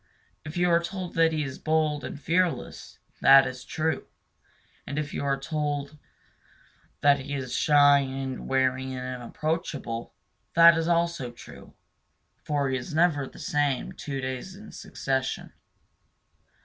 If you hear that he is bold and fearless, that is true; and if you are told that he is shy and wary and inapproachable, that is also true. For he is never the same two days in succession.